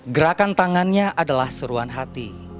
gerakan tangannya adalah seruan hati